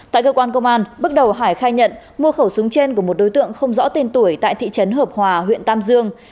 tại cơ quan công an bước đầu hải khai nhận mua khẩu súng trên của một đối tượng không rõ tên tuổi tại thị trấn hợp hòa huyện tam dương